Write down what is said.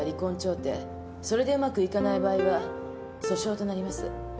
それでうまくいかない場合は訴訟となります。